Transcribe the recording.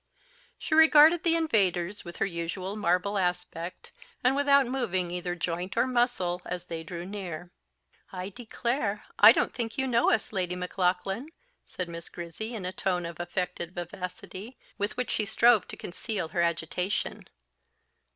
She regarded the invaders with her usual marble aspect, and without moving either joint or muscle as they drew near. "I declare I don't think you know us, Lady Maclaughlan," said Miss Grizzy in a tone of affected vivacity, with which she strove to conceal her agitation.